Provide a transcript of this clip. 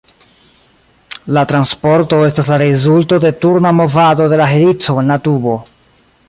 La transporto estas la rezulto de turna movado de la helico en la tubo.